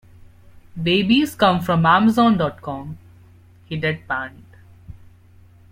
"Babies come from amazon.com," he deadpanned.